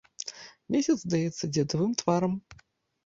Месяц здаецца дзедавым тварам.